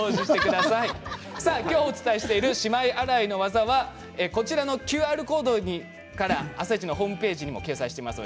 今日お伝えしているしまい洗いの技はＱＲコードの「あさイチ」のホームページでも掲載されています。